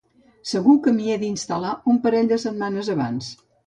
Segur que m'hi he d'instal·lar un parell de setmanes abans.